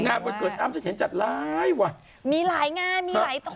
งานวันเกิดอ้ำฉันเห็นจัดร้ายว่ะมีหลายงานมีหลายคน